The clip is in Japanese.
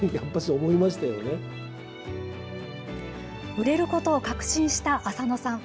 売れることを確信した浅野さん。